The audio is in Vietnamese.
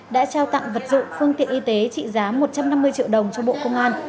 đã trao tặng vật dụng phương tiện y tế trị giá một trăm năm mươi triệu đồng cho bộ công an